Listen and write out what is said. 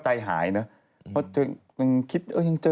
ไม่ได้ทำศรรยากรรมนะเขากลัวหมอกมาก